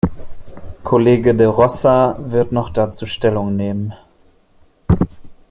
Kollege de Rossa wird noch dazu Stellung nehmen.